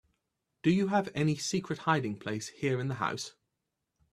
Do you have any secret hiding place here in the house?